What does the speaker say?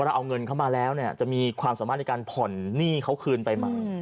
เราเอาเงินเข้ามาแล้วเนี่ยจะมีความสามารถในการผ่อนหนี้เขาคืนไปไหม